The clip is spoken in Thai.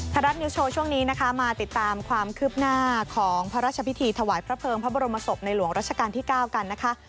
รัฐนิวโชว์ช่วงนี้นะคะมาติดตามความคืบหน้าของพระราชพิธีถวายพระเภิงพระบรมศพในหลวงรัชกาลที่๙กันนะคะ